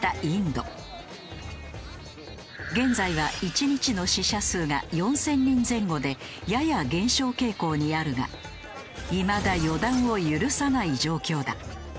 現在は１日の死者数が４０００人前後でやや減少傾向にあるがいまだ予断を許さない状況だ。